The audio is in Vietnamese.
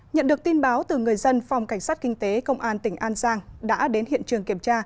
nhận được tin báo từ người dân phòng cảnh sát kinh tế công an tỉnh an giang đã đến hiện trường kiểm tra